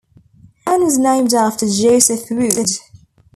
The town was named after Joseph Wood.